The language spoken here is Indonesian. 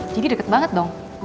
jadi deket banget dong